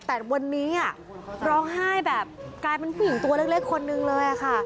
แต่วันนี้ร้องไห้แบบกลายเป็นผู้หญิงตัวเล็กคนนึงเลยค่ะ